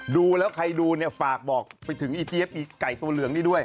ดูแล้วใครดูเนี่ยฝากบอกไปถึงอีเจี๊ยบอีไก่ตัวเหลืองนี่ด้วย